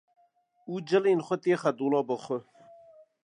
û cilên xwe têxe dolaba xwe.